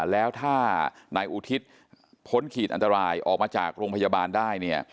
แล้วถ้านายอุทิศพ้นขีดอันตรายออกมาจากโรงพยาบาลได้เนี่ย